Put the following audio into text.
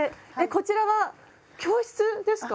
こちらは教室ですか？